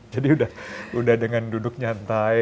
jadi udah dengan duduk nyantai